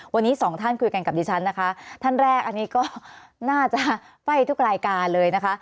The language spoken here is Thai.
วันนี้สองท่านคุยกันกับดิฉันนะคะท่านแรกอันนี้ก็น่าจะไฟ่ทุกรายการเลยนะคะ